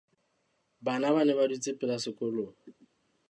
Bana ba ne ba dutse pela sekolong.